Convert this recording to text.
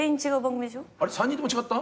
３人とも違った？